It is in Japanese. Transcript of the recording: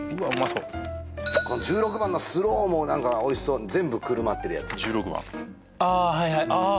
そうこの１６番のスロウもおいしそう全部くるまってるやつ１６番ああはいはいああ